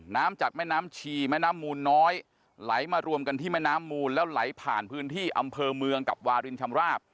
น้ำจากแม่น้ำชีแม่น้ำมูลน้อยไหลมารวมกันที่แม่น้ำมูลแล้วไหลผ่านพื้นที่อำเภอเมืองกับวารินชำราบ